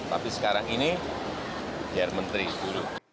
tapi sekarang ini biar menteri dulu